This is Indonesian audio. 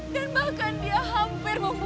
dan bahkan dia hampir membunuhku